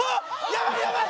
やばいやばい。